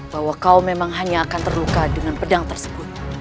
bahwa kau memang hanya akan terluka dengan pedang tersebut